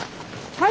はい。